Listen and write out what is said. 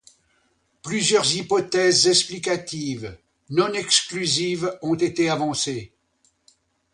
Plusieurs hypothèses explicatives, non exclusives, ont été avancées.